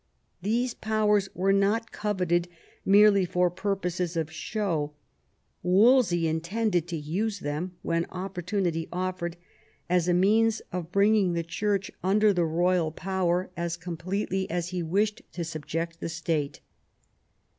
These powers were not coveted merely for purposes of show : Wolsey intended to use them, when opportunity offered, as a means of bringing the Church under the royal power as VIII WOLSEY'S DOMESTIC POLICY 133 completely as he wished to subject the State.